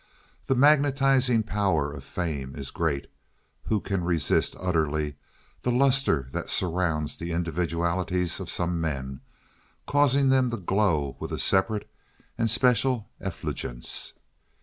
The magnetizing power of fame is great. Who can resist utterly the luster that surrounds the individualities of some men, causing them to glow with a separate and special effulgence?